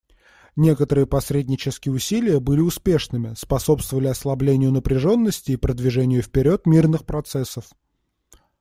Некоторые посреднические усилия были успешными, способствовали ослаблению напряженности и продвижению вперед мирных процессов.